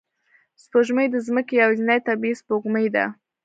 سپوږمۍ د ځمکې یوازینی طبیعي سپوږمکۍ ده